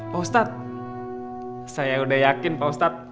pak ustadz saya udah yakin pak ustadz